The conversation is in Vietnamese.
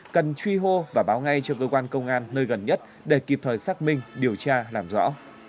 cần truy hô và báo ngay cho cơ quan công an nơi gần nhất để kịp thời xác minh điều tra làm rõ